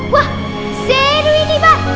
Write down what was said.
wah seru ini pak